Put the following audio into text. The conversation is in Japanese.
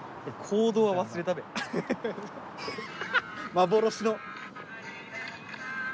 幻の。